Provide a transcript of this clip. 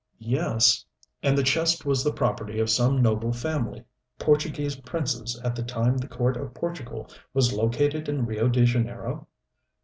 "Yes " "And the chest was the property of some noble family, Portuguese princes at the time the court of Portugal was located in Rio de Janeiro?"